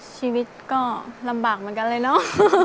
ชีวิตก็ลำบากเหมือนกันเลยเนอะ